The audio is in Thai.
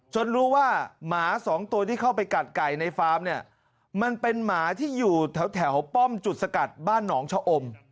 รู้ว่าหมาสองตัวที่เข้าไปกัดไก่ในฟาร์มเนี่ยมันเป็นหมาที่อยู่แถวป้อมจุดสกัดบ้านหนองชะอม